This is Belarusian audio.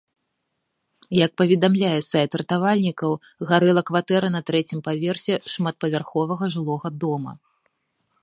Як паведамляе сайт ратавальнікаў, гарэла кватэра на трэцім паверсе шматпавярховага жылога дома.